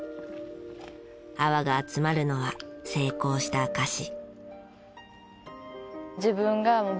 泡が集まるのは成功した証し。